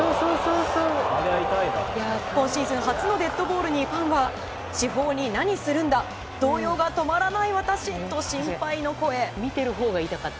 今シーズン初のデッドボールにファンは至宝に何するんだ動揺が止まらない私と心配の声。